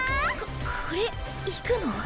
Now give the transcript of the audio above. ここれいくの？